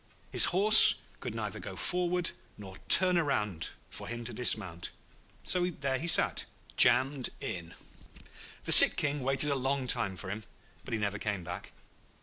His horse could neither go forward nor turn round for him to dismount; so there he sat, jammed in. The sick King waited a long time for him, but he never came back.